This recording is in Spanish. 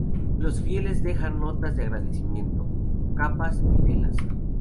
Los fieles dejan notas de agradecimiento, capas y velas.